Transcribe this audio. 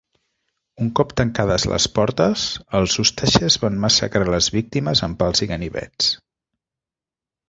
Un cop tancades les portes, els ústaixes van massacrar les víctimes amb pals i ganivets.